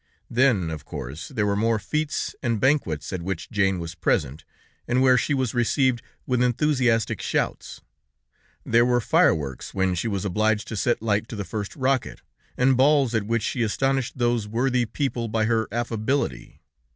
Then, of course, there were more fetes and banquets, at which Jane was present, and where she was received with enthusiastic shouts; there were fireworks, when she was obliged to set light to the first rocket, and balls at which she astonished those worthy people by her affability.